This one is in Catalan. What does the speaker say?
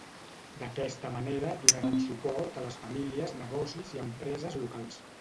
D'aquesta manera donaran suport a les famílies, negocis i empreses locals.